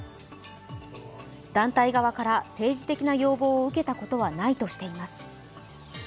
団体側から政治的な要望を受けたことはないとしています。